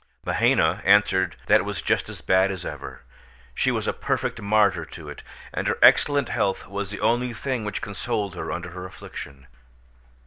Mahaina answered that it was just as bad as ever; she was a perfect martyr to it, and her excellent health was the only thing which consoled her under her affliction.